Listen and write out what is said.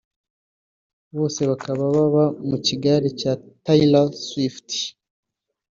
bose bakaba baba mu kigare cya Taylor Swift